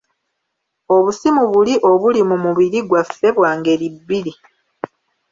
Obusimu buli obuli mu mubiri gwaffe bwa ngeri bbiri.